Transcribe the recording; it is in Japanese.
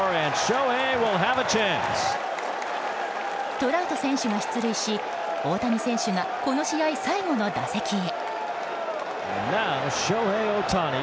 トラウト選手が出塁し大谷選手がこの試合、最後の打席へ。